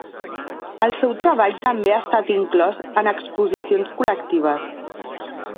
El seu treball també ha estat inclòs en exposicions col·lectives.